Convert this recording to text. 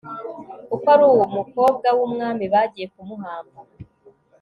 kuko ari umukobwa w umwami bagiye kumuhamba